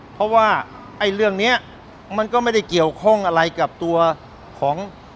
เพราะว่าไอ้เรื่องนี้มันก็ไม่ได้เกี่ยวข้องอะไรกับตัวของ